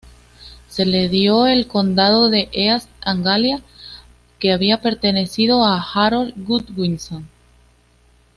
Se le dio el condado de East Anglia, que había pertenecido a Harold Godwinson.